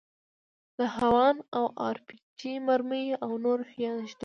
د هاوان او ار پي جي مرمۍ او نور شيان ږدو.